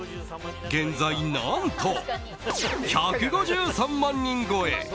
現在、何と１５３万人超え。